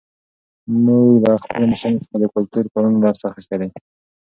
موږ له خپلو مشرانو څخه د کلتور پالنې درس اخیستی دی.